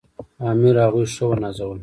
امیر هغوی ښه ونازول.